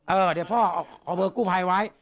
เออเดี๋ยวพ่อเอาเบอร์กู้ภัยไว้